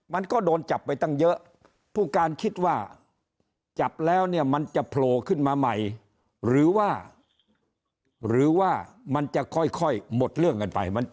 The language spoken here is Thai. มันก็โดนจับไปตั้งเยอะผู้การคิดว่าจับแล้วเนี่ยมันจะโผล่ขึ้นมาใหม่หรือว่าหรือว่ามันจะค่อยหมดเรื่องกันไป